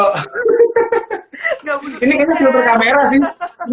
ini kayaknya filter kamera sih